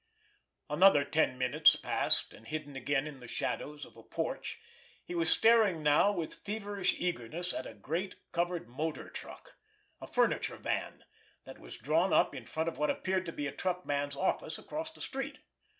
Another ten minutes passed, and hidden again in the shadows of a porch, he was staring now with feverish eagerness at a great, covered motor truck, a furniture van, that was drawn up in front of what appeared to be a truck man's office across the street.